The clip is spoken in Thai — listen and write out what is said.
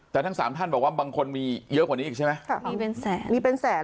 แต่ทั้ง๓ท่านบอกว่าบางคนมีเยอะกว่านี้ใช่ไหมมีเป็นแสน